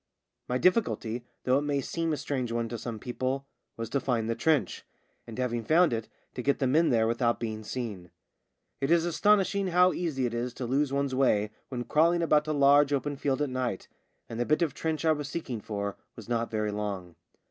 My difficulty — though it may seem a strange one to some people — was to find the trench, and having found it to get the men there without being seen. It is astonishing how easy it is to lose one's way when crawling about a large open field at night, and the bit of trench I was seeking for was not very long.